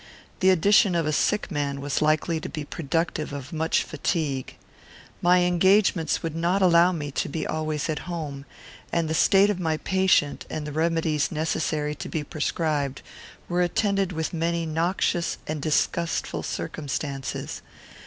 The addition of a sick man was likely to be productive of much fatigue. My engagements would not allow me to be always at home, and the state of my patient, and the remedies necessary to be prescribed, were attended with many noxious and disgustful circumstances.